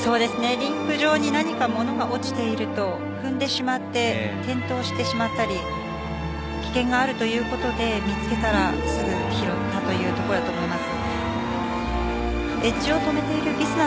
リンク上に何か物が落ちていると踏んでしまって転倒してしまったり危険があるということで見つけたらすぐ拾ったというところだと思います。